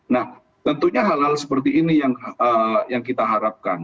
nah tentunya hal hal seperti ini yang kita harapkan